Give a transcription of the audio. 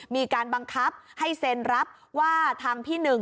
มีการบังคับให้เซ็นรับว่าทางพี่หนึ่ง